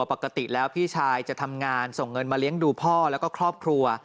ปกติแล้วพี่ชายจะทำงานส่งเงินมาเลี้ยงดูพ่อแล้วก็ครอบครัว